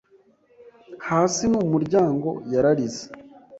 “Hasi n'umuryango!” yararize.